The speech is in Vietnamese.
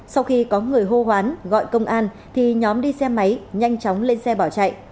sau khi có người hô hoán gọi công an thì nhóm đi xe máy nhanh chóng lên xe bỏ chạy